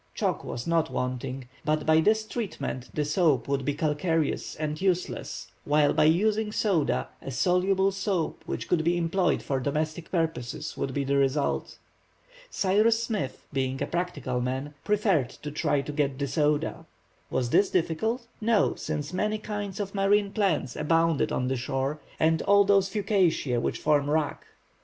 Chalk was not wanting, but by this treatment the soap would be calcareous and useless, while by using soda, a soluble soap, which could be employed for domestic purposes, would be the result. Cyrus Smith, being a practical man, preferred to try to get the soda. Was this difficult? No, since many kinds of marine plants abounded on the shore, and all those fucaceæ which form wrack.